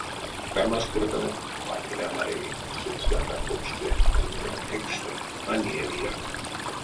Кармась кортамо — вайгель а маряви, сонськак апокшке, трибунанть экшстэ а неявияк.